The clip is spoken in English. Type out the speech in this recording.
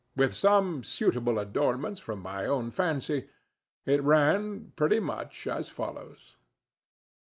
With some suitable adornments from my own fancy, it ran pretty much as follows.